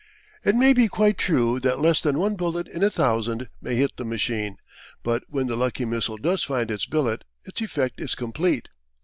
It may be quite true that less than one bullet in a thousand may hit the machine, but when the lucky missile does find its billet its effect is complete.